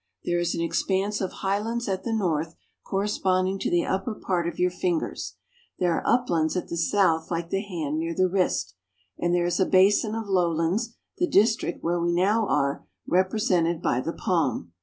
There is an expanse of high lands at the north corresponding to the upper part of your fingers ; there are uplands at the south like the hand near the wrist, and there is a basin of lowlands, the district where we now are, represented by the palm.